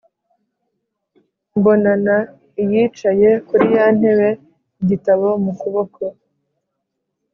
Mbonana Iyicaye kuri ya ntebe igitabo mu kuboko